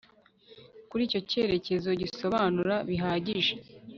kuri icyo cyerekezo gisobanura bihagije